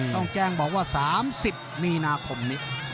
ต้องแจ้งบอกว่า๓๐มีนาคมนี้